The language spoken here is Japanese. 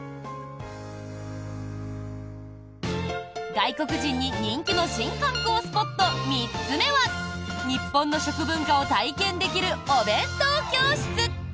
外国人に人気の新観光スポット３つ目は日本の食文化を体験できるお弁当教室。